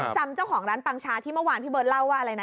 จำเจ้าของร้านปังชาที่เมื่อวานพี่เบิร์ดเล่าว่าอะไรนะ